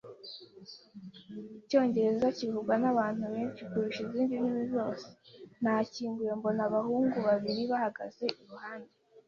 Icyongereza kivugwa nabantu benshi kurusha izindi ndimi zose. Nakinguye, mbona abahungu babiri bahagaze iruhande.